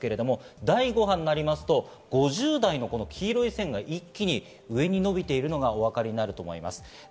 第５波になりますと５０代の黄色い線が一気に上に伸びているのがお分かりになると思います。